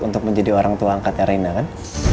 untuk menjadi orang tua angkatnya reina kan